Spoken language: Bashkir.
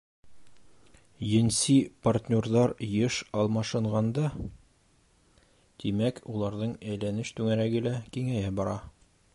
Енси партнерҙар йыш алмашынғанда, тимәк, уларҙың әйләнеш түңәрәге лә киңәйә бара.